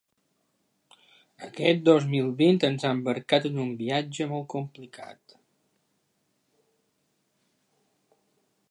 Aquest dos mil vint ens ha embarcat en un viatge molt complicat.